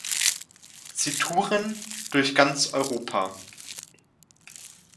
Sie touren durch ganz Europa.